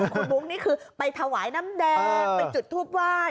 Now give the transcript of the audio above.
คุณบุ๊คนี่คือไปถวายน้ำแดงไปจุดทูปไหว้